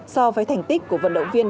so với thành tích của vận động viên